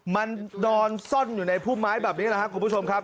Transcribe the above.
มันนอนซ่อนอยู่ในพุ่มไม้แบบนี้แหละครับคุณผู้ชมครับ